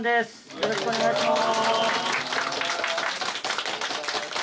よろしくお願いします。